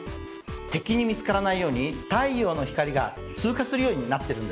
敵に見つからないように太陽の光が通過するようになってるんですね。